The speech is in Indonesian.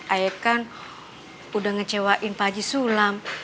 ayah kan udah ngecewain pak haji sulam